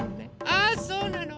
あそうなの。